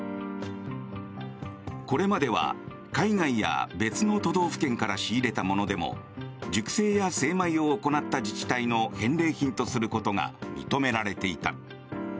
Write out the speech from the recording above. これまでは海外や別の都道府県から仕入れたものでも熟成や精米を行った自治体の返礼品とすることが認められていた。